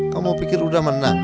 kamu pikir udah menang